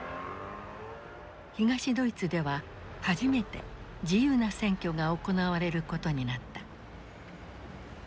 東ドイツでは初めて自由な選挙が行われることになった。